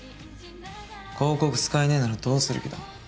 広告使えねぇならどうする気だ？